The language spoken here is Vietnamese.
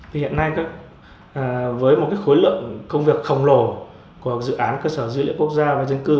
thì hiện nay với một cái khối lượng công việc khổng lồ của dự án cơ sở dữ liệu quốc gia về dân cư